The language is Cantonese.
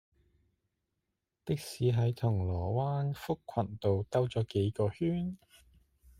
的士喺銅鑼灣福群道兜左幾個圈